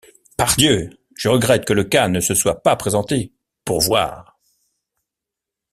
Pardieu! je regrette que le cas ne se soit pas présenté « pour voir ».